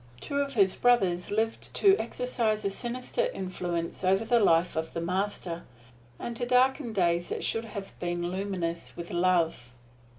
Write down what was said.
Two of his brothers lived to exercise a sinister influence over the life of the Master, and to darken days that should have been luminous with love.